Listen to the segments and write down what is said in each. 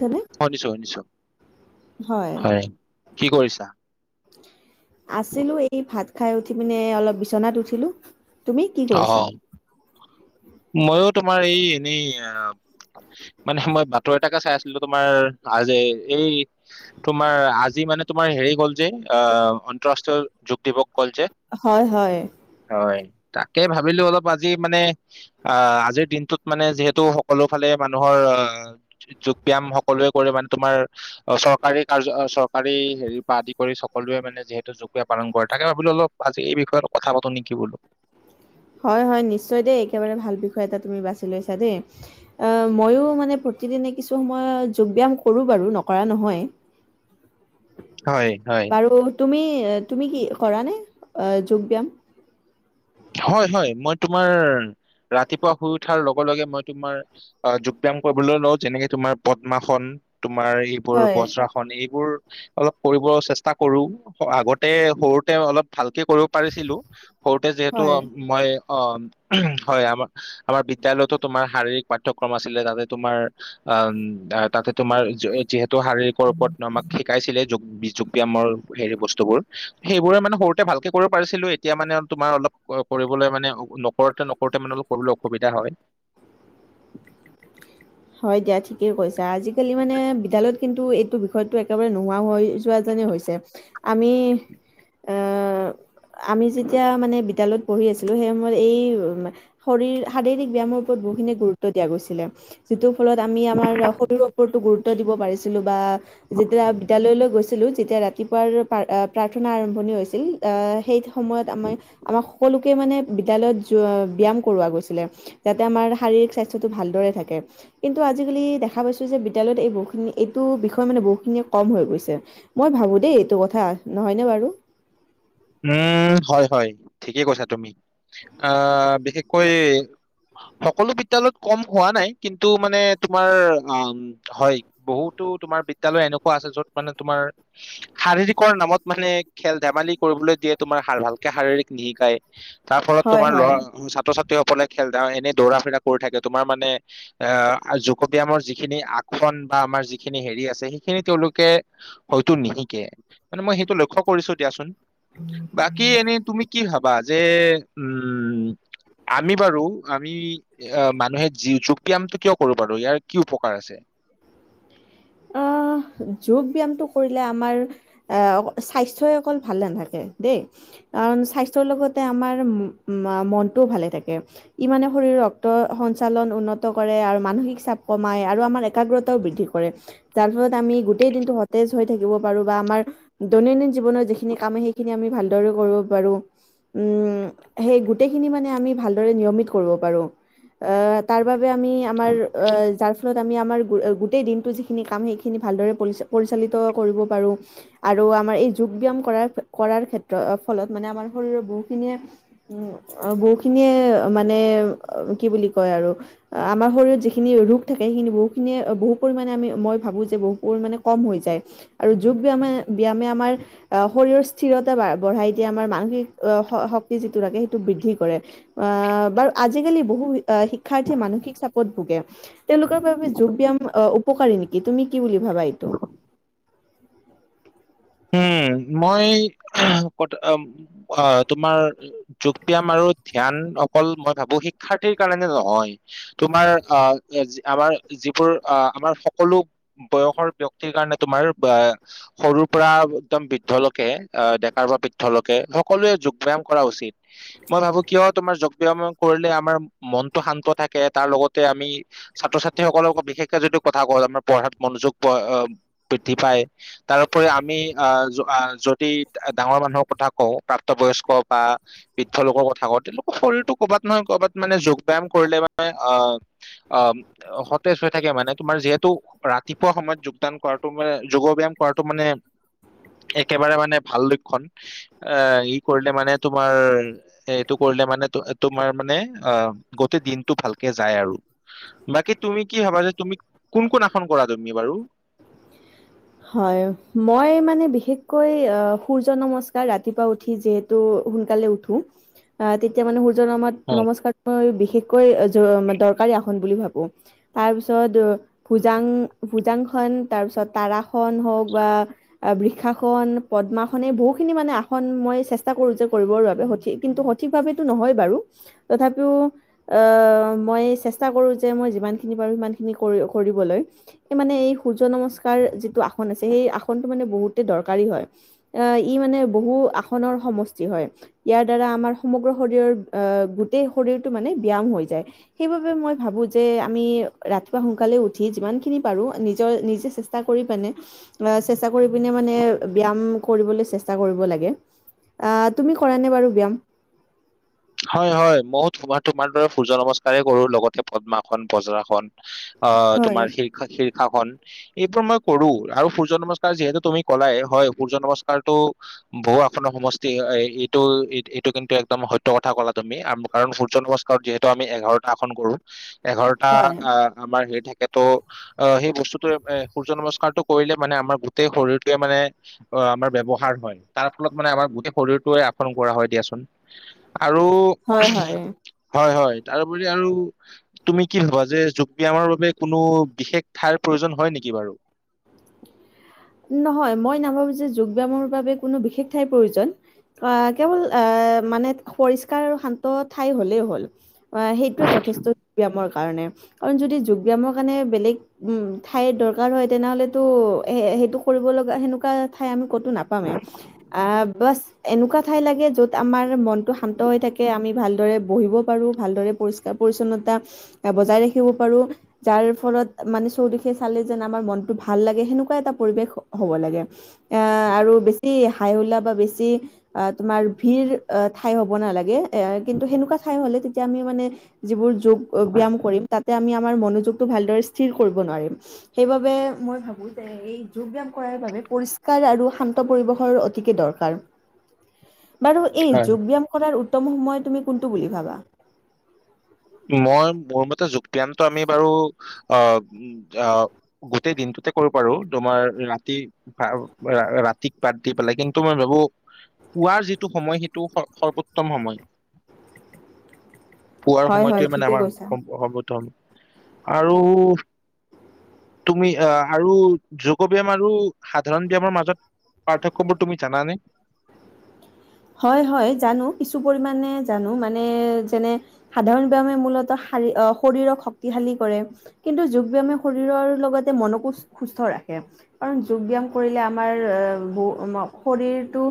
নে শুনিছো শুনিছো হয় কি কৰিছা? আছিলোঁ এই ভাত খাই উঠি পিনে অলপ বিচনাত উঠিলোঁ। অ মইয়ো তোমাৰ এই এনেই আহ মানে মই বাতৰি এটাকে চাই আছিলো তোমাৰ লাজে এই তোমাৰ আজি মানে তোমাৰ হেৰি গ'ল যে আহ আন্তৰাষ্ট্ৰীয় যোগ দিৱস হ'ল যে হয়, হয়। হয়, তাকে ভাবিলোঁ অলপ আজি মানে আহ আজিৰ দিনটোত মানে যিহেতু সকলো ফালে মানুহৰ আহ যোগ ব্যায়াম সকলোৱে কৰে মানে তোমাৰ অ চৰকাৰী কাৰ্য চৰকাৰী হেৰি পৰা আদি কৰি সকলোৱে মানে যিহেতু যোগ পালন কৰে থাকে ভাবিলো অলপ আজি এই বিষয়ত কথা পাতো নেকি বোলোঁ? হয় হয় নিশ্চয় দেই একেবাৰে ভাল বিষয় এটা তুমি বাছি লৈছা দেই। অ মইও মানে প্ৰতিদিনে কিছু সময় যোগ ব্যায়াম কৰোঁ বাৰু নকৰা নহয়। হয় হয়। আৰু তুমি তুমি কি কৰা নে যোগ ব্যায়াম? হয় হয় মই তোমাৰ ৰাতিপুৱা শুই উঠাৰ লগে লগে মই তোমাৰ অ যোগ ব্যায়াম কৰিবলৈ লও যেনেকে তোমাৰ পদ্মাসন তোমাৰ এইবোৰ হয় বজ্ৰআসন এইবোৰ অলপ কৰিব চেষ্টা কৰো আগতে সৰুতে অলপ ভালকে কৰিব পাৰিছিলোঁ। সৰুতে যিহেতু হয় মই অ হয় আমাৰ আমাৰ বিদ্যালয়টো তোমাৰ শাৰীৰিক পাঠ্যক্ৰম আছিলে, তাতে তোমাৰ অ তাতে তোমাৰ যিহেতু শাৰীৰিকৰ ওপৰত আমাক শিকাইছিলে যোগ যোগ ব্যায়ামৰ হেৰি বস্তু বোৰ সেইবোৰে মানে সৰুতে ভালকে কৰিব পাৰিছিলো এতিয়া মানে তোমাৰ অলপ কৰিবলৈ মানে নকৰোঁতে নকৰোঁতে মানে অলপ কৰিবলৈ অসুবিধা হয়। হয় দিয়া ঠিকেই কৈছা আজিকালি মানে বিদ্যালয়ত কিন্তু এইটো বিষয়টো একেবাৰে নোহোৱা হৈ যোৱা যেনে হৈছে আমি আহ [inaudible] আমি যেতিয়া মানে বিদ্যালয়ত পঢ়ি আছিলোঁ সেই সময়ত এই শৰীৰ শাৰীৰিক ব্যায়ামৰ ওপৰত বহুখিনি গুৰুত্ব দিয়া গৈছিলে। যিটোৰ ফলত আমি আমাৰ শৰীৰৰ ওপৰতো গুৰুত্ব দিব পাৰিছিলোঁ বা যেতিয়া বিদ্যালয়লৈ গৈছিলোঁ তেতিয়া ৰাতিপুৱাৰ প্ৰা-আ, প্ৰাৰ্থনা আৰম্ভণি হৈছিল আ, সেই সময়ত আমাৰ আমাৰ সকলোকে মানে বিদ্যালয়ত যোৱা ব্যায়াম কৰোৱা গৈছিলে। যাতে আমাৰ শাৰীৰিক স্বাস্থ্যটো ভালদৰে থাকে। কিন্তু আজিকালি দেখা পাইছোঁ যে, বিদ্যালয়ত এই বহুখিনি এইটো বিষয় মানে বহুখিনিয়ে কম হৈ গৈছে। মই ভাবোঁ দেই এইটো কথা নহয়নে বাৰু? উম, হয়, হয়, ঠিকে কৈছা তুমি আ বিশেষকৈ সকলো বিদ্যালয়ত কম হোৱা নাই, কিন্তু মানে তোমাৰ অ' হয়, বহুতো তোমাৰ বিদ্যালয় এনেকুৱা আছে, য'ত মানে তোমাৰ শাৰীৰিকৰ নামত মানে খেল ধেমালি কৰিবলৈ দিয়ে তোমাৰ শা-ভালকে শাৰীৰিক নিশিকাই তাৰ ফলত হয় তোমাৰ ল'ৰা হয়। ছাত্ৰ ছা সকলে খেল ধে-এনেই দৌৰা ফিৰা কৰি থাকে তোমাৰ মানে আ, যোগ ব্যায়ামৰ যিখিনি আসন বা আমাৰ যিখিনি হেৰি আছে সেইখিনি তেওঁলোকে হয়তো নিশিকে মানে মই সেইটো লক্ষ্য কৰিছোঁ দিয়াচোন। বাকী এনে তুমি কি ভাবা? যে, উম আমি বাৰু আমি এ মানুহে জিন যোগ ব্যায়ামটো কিয় কৰোঁ বাৰু ইয়াৰ কি উপকাৰ আছে? অ', যোগ ব্যায়ামটো কৰিলে আমাৰ আ, স্বাস্থ্যই অকল ভাল নাথাকে, দেই। কাৰণ স্বাস্থ্যৰ লগতে আমাৰ মা-মনটোও ভালে থাকে। ই মানে শৰীৰৰ ৰক্ত সঞ্চালন উন্নত কৰে আৰু মানসিক চাপ কমাই আৰু আমাৰ একাগ্ৰতাও বৃদ্ধি কৰে যাৰ ফলত আমি গোটেই দিনটো সতেজ হৈ থাকিব পাৰোঁ বা আমাৰ দৈনন্দিন জীৱনত যিখিনি কাম সেইখিনি আমি ভালদৰে কৰিব পাৰোঁ। উম, সেই গোটেইখিনি মানে আমি ভালদৰে নিয়মিত কৰিব পাৰোঁ। আ, তাৰ বাবে আমি আমাৰ অ', যাৰ ফলত আমি আমাৰ গো-গোটেই দিনটো যি খিনি কাম সেইখিনি ভালদৰে পৰিচ-পৰিচালিত কৰিব পাৰোঁ। আৰু আমাৰ এই যোগ ব্যায়াম কৰাৰ কৰাৰ ক্ষেত্ৰত ফলত মানে আমাৰ শৰীৰৰ বহুখিনিয়ে অ', বহুখিনিয়ে মানে কি বুলি কয় আৰু আমাৰ শৰীৰত যিখিনি ৰোগ থাকে, সেইখিনি বহুখিনিয়ে বহু পৰিমাণে আমি মই ভাবোঁ যে, বহুত পৰিমানে কম হৈ যায়। আৰু যোগ ব্যায়ামে ব্যায়ামে আমাৰ আ, শৰীৰৰ স্থিৰতা বা বঢ়াই দিয়া আমাৰ মানসিক অ', শ-শক্তি যিটো লাগে সেইটো বৃদ্ধি কৰে। আ, বাৰু আজিকালি বহু আ, শিক্ষাৰ্থীয়ে মানসিক চাপত ভোগে তেওঁলোকৰ বাবে যোগ ব্যায়াম অ', উপকাৰী নিকি? তুমি কি বুলি ভাৱা এইতো? হম, মই ক অ', তোমাৰ যোগ ব্যায়াম আৰু ধ্যান অকল মই ভাবোঁ শিক্ষাৰ্থীৰ কাৰণে নহয়। তোমাৰ আ, আমাৰ যিবোৰ আ, আমাৰ সকলো বয়সৰ ব্যক্তিৰ কাৰণে তোমাৰ বা-সৰু পৰা একদম বৃদ্ধলকে আ, ডেকাৰ পৰা বৃদ্ধলকে সকলোৱে যোগ ব্যায়াম কৰা উচিত। মই ভাবোঁ কিয় তোমাৰ যোগ ব্যায়াম কৰিলে আমাৰ মনটো শান্ত থাকে, তাৰ লগতে আমি ছাত্ৰ ছাত্ৰীসকলৰ বিশেষকে যোনটো কথা কওঁ আমাৰ পঢ়াত মনোযোগ প-আ বৃদ্ধি পায়, তাৰ পৰা আমি আ, আ, যদি ডাঙৰ মানুহৰ কথা কওঁ, প্ৰাপ্তবয়স্ক বা বৃদ্ধলোকৰ কথা কওঁ, তেওঁলোকৰ শৰীৰটো ক'বাত নহয় ক'বাত মানে যোগ ব্যায়াম কৰিলে মানে আ অ' সতেজ হৈ থাকে মানে। তোমাৰ যিহেতু ৰাতিপুৱা সময়ত যোগদান কৰাটো মানে যোগ ব্যায়াম কৰা মানে একেবাৰে মানে ভাল লক্ষ্যণ। অ' ই কৰিলে মানে তোমাৰ এইটো কৰিলে মানে তোমাৰ মানে অ' গোটেই দিনতটো ভালকে যায় আৰু। বাকী তুমি কি ভাবা যে তুমি কোন কোন আসন কৰা তুমি বাৰু? হয় মই মানে বিশেষকৈ সূৰ্য নমস্কাৰ ৰাতিপুৱা উঠি যে সোনকালে উঠো অ' তেতিয়া মানে সূৰ্য নত হয় নমস্কাৰ মই বিশেষকৈ দৰকাৰী আসন বুলি ভাবো। তাৰপিছত ভোজাং ভোজাংসন তাৰ পিছত তাৰসন হওঁক বা বৃক্ষাসন পদ্মাসন এই বহুখিনি মানে আসন মই চেষ্টা কৰো যে কৰিবৰ বাবে, সঠিক কিন্তু সঠি ঠিক ভাৱে নহয় বাৰু তথাপিও আহ মই চেষ্টা কৰো যে মই যিমানখিনি পাৰো সিমানখিনি কৰিবলৈ এই মানে এই সূৰ্য নমস্কাৰ যিটো আসন আছে সেই আসনটো মানে বহুতে দৰকাৰী হয়। আহ ই মানে বহু আসনৰ সমষ্টি হয়। ইয়াৰ দ্বাৰা আমাৰ সমগ্ৰ শৰীৰৰ আহ গোটেই শৰীৰটো মানে ব্যায়াম হৈ যায়। সেইবাবে মই ভাবো যে আমি ৰাতিপুৱা সোনকালে উঠি যিমান খিনি পাৰো নিজৰ নিজে চে ষ্টা কৰি পিনে অ চেষ্টা কৰি পিনে মানে ব্যয়াম কৰিবলৈ চেষ্টা কৰিব লাগে। তুমি কৰা নে বাৰু ব্যায়াম? হয় হয় ময়ো তোমাৰ দৰে সূৰ্য নমস্কাৰেই কৰো লগতে পদ্মাসন বজ্ৰাসন অ' হয়, তোমাৰ শীৰ্ষ শীৰ্ষাসন এইবোৰ মই কৰো, আৰু সূৰ্য নমস্কাৰ যিহেতু তুমি ক'লাই হয় সূৰ্য নমস্কাৰটো বহু আসনৰ সমষ্টি। এইটো এইটো কিন্তু একদম স কথা ক'লা তুমি, কাৰণ সূৰ্য নমস্কাৰত যিহেতু আমি এঘাৰটা আসন কৰো। এঘাৰটা হয়। আহ আমাৰ হেৰি থাকেতো আহ সেই বস্তুটোৱে সূৰ্য নমস্কাৰটো কৰিলে মানে আমাৰ গোটেই শৰীৰটোৱে মানে অ' আমাৰ ব্যৱহাৰ হয়, তাৰ ফলত মানে আমাৰ গোটেই শৰীৰটোৱে আসন কৰা হয় দিয়াচোন। আৰু হয় হয় তাৰপৰি আৰু তুমি কি ভাবা যে যোগ ব্যয়ামৰ বাবে কোনো বিশেষ ঠাই প্ৰয়োজন হয় নেকি বাৰু? নহয় মই নাভাবো যে যোগ ব্যায়ামৰ বাবে কোনো বিশেষ ঠাইৰ প্ৰয়োজন। অ' কেৱল এ মানে পৰিষ্কাৰ আৰু শান্ত ঠাই হ'লেই হ'ল। হয় সেইটোৱে যথেষ্ট দিয়া মোৰ কাৰণে কাৰণ যদি যোগ ব্যায়ামৰ কাৰণে বেলেগ। উম ঠাইৰ দৰকাৰ হয় তেনেহলেতো সে - সেইটো। কৰিব লগা সেনেকুৱা ঠাই আমি কতো নাপামে। আহ বাছ এনেকুৱা ঠাই লাগে য'ত আমাৰ মন টো শান্ত হৈ থাকে আমি ভালদৰে বহিব পাৰোঁ ভালদৰে পৰিষ্কাৰ পৰিচ্ছন্নতা বজাই ৰাখিব পাৰো। যাৰ ফলত মানে চৌদিশে চালে যেন আমাৰ মনতটো ভাল লাগে সেনেকুৱা এটা পৰিৱেশ। হ'ব লাগে আহ আৰু বেছি হাই হুল্লা বা বেছি তোমাৰ ভিৰ। অহ ঠাই হ'ব নালাগে এ কিন্তু সেনেকুৱা ঠাই হ'লে তেতিয়া আমি মানে। যিবোৰ যোগ ব্যয়াম কৰিম তাতে আমি আমাৰ মনোযোগটো ভালদৰে স্থিৰ কৰিব নোৱাৰিম? সেইবাবে মই ভাবো যে এই। যোগ ব্যায়াম কৰাৰ বাবে পৰিষ্কাৰ আৰু শান্ত পৰিবেশৰ অতিকে দৰকাৰ। বাৰু এই হয় যোগ ব্যায়াম কৰাৰ উত্তম সময় তুমি কোনটো বুলি ভাবা। মই মোৰ মতে যোগ ব্যামটো আমি বাৰু অ উম আহ গোটেই দিনটোতে কৰিব পাৰো। তোমাৰ ৰাতি- আৰু আ ৰাতিক বাদ দি পেলাই। কিন্তু মই ভাবো- পুৱাৰ যিটো সময় সেইটো স সৰ্বোত্তম সময়। পুৱাৰ হয় হয় সময়টোৱে মানে ঠিকে আমাৰ কৈছা। সম- সৰ্বোত্তম। আৰু- তুমি আহ আৰু যোগ ব্যায়াম আৰু সাধাৰণ ব্যায়ামৰ মাজত- পাৰ্থক্যবোৰ তুমি জানা নে? হয় হয় জানো কিছু পৰিমাণে জানো। মানে যেনে- সাধাৰণ ব্যায়ামে মূলত শাৰী অ শৰীৰক শক্তিশালী কৰে। কিন্তু যোগ ব্যায়ামে শৰীৰৰ লগতে মনকো সুস্থ ৰাখে। কাৰণ যোগ ব্যায়াম কৰিলে আমাৰ আ অ ব শৰীৰটো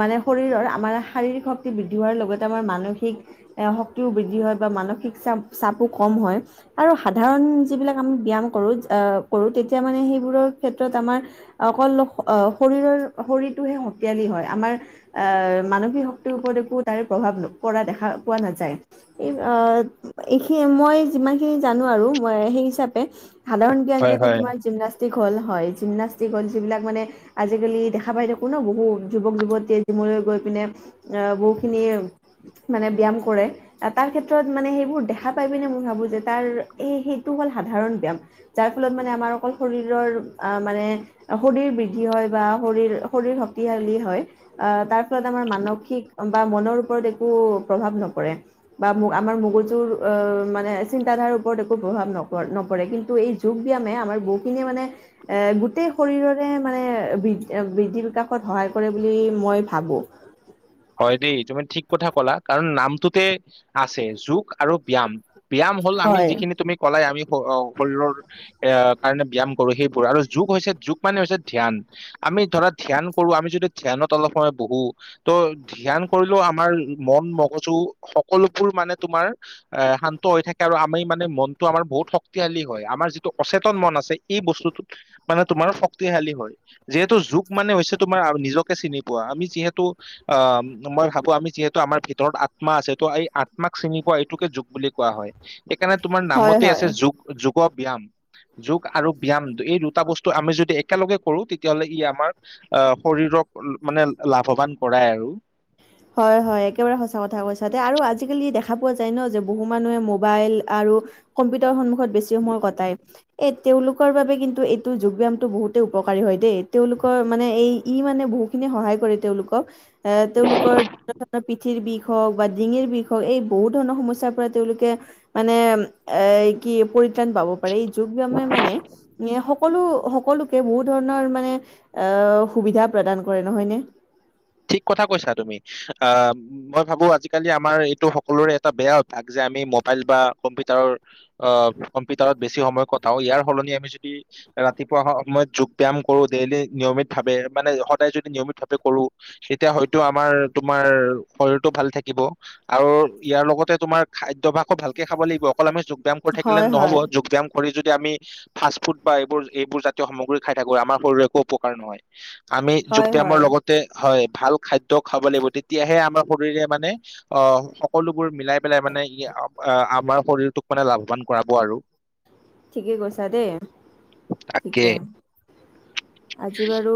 মানে- শৰীৰৰ আমাৰ শাৰীৰিক শক্তি বৃদ্ধি হোৱাৰ লগতে আমাৰ মানসিক- এ শক্তিও বৃদ্ধি হয় বা মানসিক চাপ চাপো কম হয়। আৰু সাধাৰণ যিবিলাক আমি ব্যায়াম কৰো অ' কৰো তেতিয়া মানে সেইবোৰৰ ক্ষেত্ৰত আমাৰ- অকল অঁ শৰীৰৰ শৰীৰটোহে শতিয়ালী হয়। আমাৰ- আহ মানসিক শক্তিৰ ওপৰত একো তাৰে প্ৰভাৱ পৰা দেখা পোৱা নাযায়। এই অ এইখিন মই যিমানখিনি জানো আৰু মই সেই হিচাপে। সাধাৰণ জ্ঞান হয় যেনে হয় তোমাৰ জিমনাচ- তিক হল হয় জিমনাষ্টিক হল যিবিলাক মানে আজিকালি দেখা পাই থাকো ন বহু যুৱক যুৱতীয়ে- জিমলৈ গৈ পিনে এ বহুখিনি মানে ব্যায়াম কৰে- তাৰ ক্ষেত্ৰত মানে সেইবোৰ দেখা পাই পিনে মই ভাবো যে তাৰ এই সেইটো হ'ল সাধাৰণ ব্যায়াম। যাৰ ফলত মানে আমাৰ অকল শৰীৰৰ আহ মানে- শৰীৰ বৃদ্ধি হয় বা শৰীৰ শৰীৰ শক্তিশালী হয়। আহ তাৰ ফলত আমাৰ মানসিক বা মনৰ ওপৰত একো প্ৰভাৱ নপৰে। বা ম আমাৰ মগজুৰ অ মানে চিন্তাধাৰাৰ ওপৰত একো প্ৰভাৱ নপৰ নপৰে। কিন্তু এই- যোগ ব্যায়ামে আমাৰ বহুখিনিয়ে মানে- এ গোটেই শৰীৰৰে মানে বৃ এ বৃদ্ধি বিকাশত সহায় কৰে বুলি- মই ভাবো। হয় দেই তুমি ঠিক কথা কলা। কাৰণ নামটোতে আছে যোগ আৰু ব্যায়াম। ব্যায়াম হ'ল আমি হয় যিখিনি তুমি কলাই আমি অ শৰীৰৰ- এয়া কাৰণে ব্যায়াম কৰো সেইবোৰ আৰু যোগ হৈছে যোগ মানে হৈছে ধ্যান। আমি ধৰা ধ্যান কৰো আমি যদি ধ্যানত অলপ সময় বহো ত'- ধ্যান কৰিলেও আমাৰ মন মগজু সকলোবোৰ মানে তোমাৰ- এ শান্ত হৈ থাকে আৰু আমি মানে মনতটো আমাৰ বহুত শক্তিশালী হয়। আমাৰ যিটো অচেতন মন আছে- এই বস্তুটোত মানে তোমাৰ শক্তিশালী হয়। যিহেতু যুগ মানে হৈছে তোমাৰ আৰু নিজকে চিনি পোৱা। আমি যিহেতু- অ মই ভাবো আমি যিহেতু আমাৰ ভিতৰত আত্মা আছে তো এই আত্মাক চিনি পোৱা এইটোকে যুগ বুলি কোৱা হয়। সেইকাৰণে তোমাৰ হয় নামতে হয় আছে যুগ যোগ ব্যায়াম। যোগ আৰু ব্যায়াম এই দুটা বস্তু আমি যদি একেলগে কৰো তেতিয়াহলে ই আমাৰ- আহ শৰীৰক মানে লাভৱান কৰাই আৰু। হয় হয় একেবাৰে সঁচা কথা কৈছা দে। আৰু আজিকালি দেখা পোৱা যায় ন যে বহু মানুহে মোবাইল আৰু- কম্পিউটাৰ সন্মুখত বেছি সময় কটাই। এই- তেওঁলোকৰ বাবে কিন্তু এইটো যোগ ব্যায়ামটো বহুতেই উপকাৰী হয় দেই। তেওঁলোকৰ মানে এই ই মানে বহু- খিনি সহায় কৰে তেওঁলোকক। এ কৰ ধৰণৰ পিঠিৰ বিষ হওঁক বা ডিঙিৰ বিষ হওক এই বহুত ধৰণৰ সমস্যাৰ পৰা তেওঁলোকে- মানে এ কি পৰিত্ৰাণ পাব পাৰে এই যোগ ব্যামে মানে এ সকলো, সকলোকে বহু ধৰণৰ মানে অ', সুবিধা প্ৰদান কৰে, নহয়নে? ঠিক কথা কৈছা তুমি। অ' মই ভাবো আজিকালি আমাৰ এইটো সকলোৰে এটা বেয়া অভ্যাস যে আমি মোবাইল বা কম্পিউটাৰৰ অ', কম্পিউটাৰত বেছি সময় কটাও, ইয়াৰ সলনি আমি যদি ৰাতিপুৱা সময়ত যোগ ব্যায়াম কৰো ডেইলি নিয়মিত ভাৱে, মানে সদায় যদি নিয়মিত ভাৱে কৰো তেতিয়া হয়তো আমাৰ, তোমাৰ শৰীৰটো ভাল থাকিব। আৰু ইয়াৰ লগতে তোমাৰ খাদ্যভাসো ভালকে খাব লাগিব, অকল আমি যোগব ব্যাম থাকিলে হয়, নহ'ব, হয়, যোগ ব্যাম শৰীৰ যদি আমি ফাষ্ট ফুড বা এইবোৰ, এইবোৰ জাতীয় সামগ্ৰী খাই থাকো আমাৰ শৰীৰ একো উপকাৰ নহয়। আমি যোগ হয়, ব্যায়ামৰ হয়। লগতে হয় ভাল খাদ্য খাব লাগিব তেতিয়াহে আমাৰ শৰীৰে মানে অ', সকলোবোৰ মিলাই পেলাই মানে ই আমাৰ শৰীৰটোক মানে লাভৱান কৰাব আৰু। ঠিকে কৈছা দেই, তাকে ঠিকে। আজি বাৰু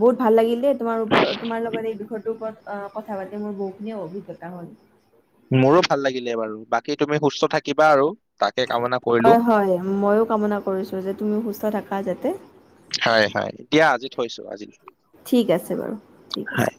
বহুত ভাল লাগিল দেই তোমাৰ ওপৰত, তোমাৰ লগত এই বিষয়টোৰ ওপৰত কথা পাতি মোৰ বহুখিনিয়ে অভিজ্ঞতা হ'ল। মোৰো ভাল লাগিলে বাৰু, বাকী তুমি সুস্থ থাকিবা আৰু। তাকে কামনা কৰিলো হয় হয়, ময়ো কামনা কৰিছো যে তুমি সুস্থ থাকা যাতে। হয় হয়, দিয়া আজি থৈছো, আজি ঠিক আছে বাৰু, ঠিক আছে।